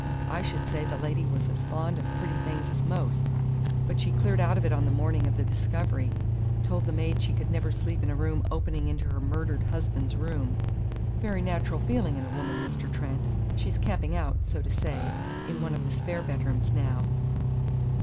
I should say the lady was as fond of pretty things as most. But she cleared out of it on the morning of the discovery told the maid she could never sleep in a room opening into her murdered husband's room. Very natural feeling in a woman, Mr. Trent. She's camping out, so to say, in one of the spare bedrooms now."